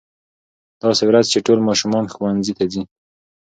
داسې ورځ چې ټول ماشومان ښوونځي ته ځي.